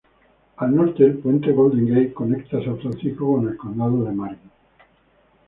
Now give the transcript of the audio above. Al norte, el puente Golden Gate conecta San Francisco con el condado de Marin.